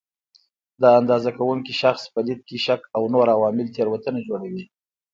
د اندازه کوونکي شخص په لید کې شک او نور عوامل تېروتنه جوړوي.